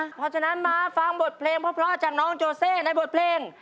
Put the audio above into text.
เพราะฉะนั้นมาฟังบทเพลงเพราะจากน้องโจเซในบทเพลง